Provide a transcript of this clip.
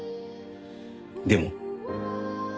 「でも」？